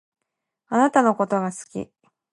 あなたのことが好き。